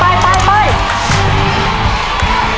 เอาแล้วไปแล้วลูก